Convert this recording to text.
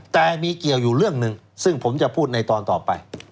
แต่มีเกี่ยวอยู่เรื่องหนึ่งซึ่งผมจะพูดในตอนต่อไป